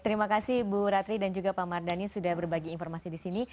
terima kasih bu ratri dan juga pak mardhani sudah berbagi informasi di sini